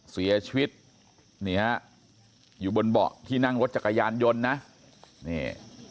เสียชีวิตนี่ฮะอยู่บนเบาะที่นั่งรถจักรยานยนต์นะนี่